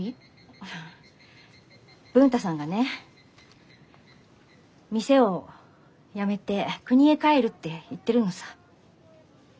あ文太さんがね店を辞めてくにへ帰るって言ってるのさ。